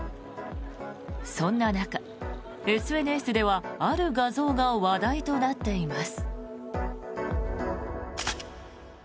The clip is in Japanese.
そんな中、ＳＮＳではある画像が話題となっています。